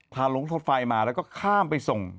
ลงรถไฟมาแล้วก็ข้ามไปส่ง